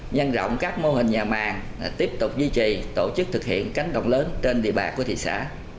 nhân rộng các mô hình nhà màng tiếp tục duy trì tổ chức thực hiện cánh đồng lớn trên địa bàn của thị xã